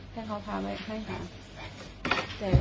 ตลอดคิดกันนะครับ